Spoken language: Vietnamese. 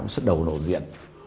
sứt đầu nổ diện